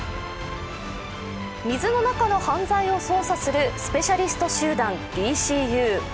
水の中の犯罪を捜査するスペシャリスト集団ＤＣＵ。